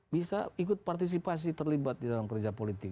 bisa ikut partisipasi terlibat di dalam kerja politik